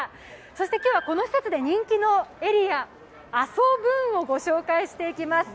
そして今日はこの施設で人気のエリアＡＳＯＢｏｏＮをご紹介していきます。